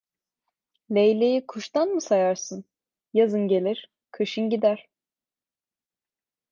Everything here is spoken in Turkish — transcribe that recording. Leyleği kuştan mı sayarsın, yazın gelir, kışın gider.